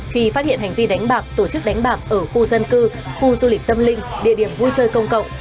khi phát hiện hành vi đánh bạc tổ chức đánh bạc ở khu dân cư khu du lịch tâm linh địa điểm vui chơi công cộng